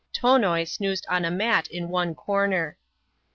Tonoi snoozed on a mat in one corner.